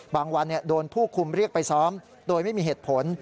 วันโดนผู้คุมเรียกไปซ้อมโดยไม่มีเหตุผล